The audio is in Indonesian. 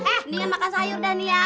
eh ni yang makan sayur dah nih ya